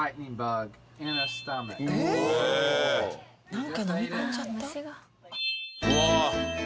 なんかのみ込んじゃった？